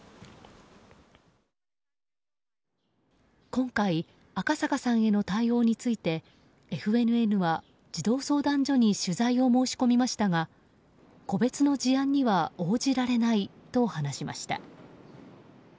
今回赤阪さんへの対応についてＦＮＮは児童相談所に取材を申し込みましたが個別の事案には応じられないと話しました。